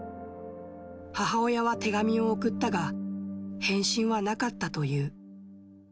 母親は手紙を送ったが、返信はなかったという。